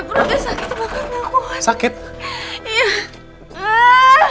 rik aku sakit banget